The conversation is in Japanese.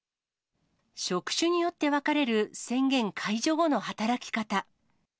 職種によって分かれる宣言解除後の働き方。